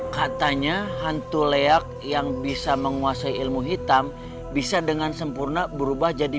katanya hantu leak yang bisa menguasai ilmu hitam bisa dengan sempurna berubah jadi